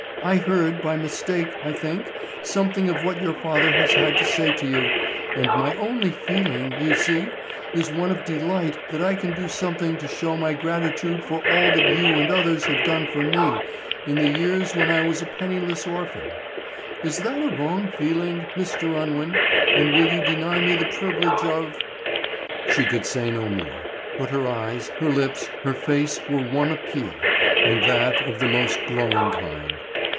I heard by mistake, I think, something of what your father has had to say to you, and my only feeling, you see, is one of delight that I can do something to show my gratitude for all that you and others have done for me in the years when I was a penniless orphan. Is that a wrong feeling, Mr. Unwin, and will you deny me the privilege of—" She could say no more, but her eyes, her lips, her face were one appeal, and that of the most glowing kind.